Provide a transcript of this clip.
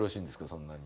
そんなに。